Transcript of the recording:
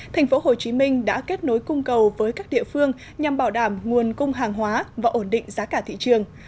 tp hcm đã kết nối cung cầu với các địa phương nhằm bảo đảm nguồn cung hàng hóa và ổn định giá cả thị trường